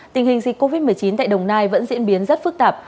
tình hình dịch covid một mươi chín tại đồng nai vẫn diễn biến rất phức tạp